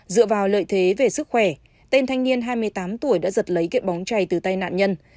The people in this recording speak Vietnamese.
dựa vào lợi thế về sức khỏe tên thanh niên hai mươi tám tuổi đã giật lấy kiện bóng chảy từ tay nạn nhân